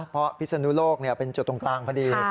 เพราะพิศนุโลกเป็นจุดตรงกลางพอดี